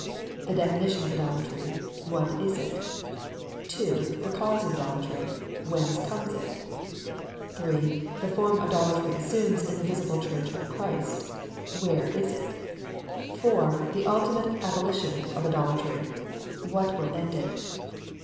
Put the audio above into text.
The definition of idolatry. WHAT is IT ? II. The cause of idolatry. WHENCE COMES IT ? III. Tlie form idolatry assumes in the visible Church of Christ. WHERE is IT? IV. The ultimate abolition of idolatry. WHAT WILL END IT